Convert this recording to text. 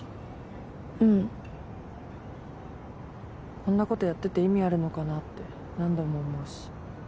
こんなことやってて意味あるのかなって何度も思うし。